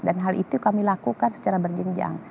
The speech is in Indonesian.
dan hal itu kami lakukan secara berjenjang